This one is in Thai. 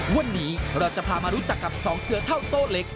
วันนี้เราจะพามารู้จักกับสองเสือเท่าโต้เล็ก